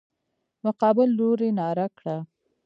مقابل لوري ناره کړه.